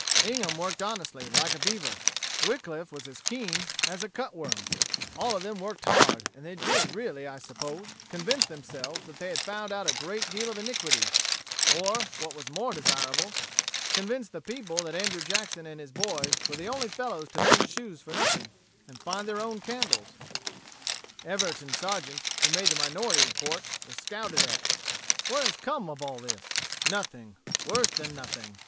Ingham worked honestly, like a beaver; Wickliff was as keen as a cutworm: all of them worked hard; and they did really, I suppose, convince themselves that they had found out a great deal of iniquity; or, what was more desirable, convinced the people that Andrew Jackson and his boys were the only fellows to mend shoes for nothing, and find their own candles. Everett and Sargeant, who made the minority report, were scouted at. What has come of all this? Nothing worse than nothing.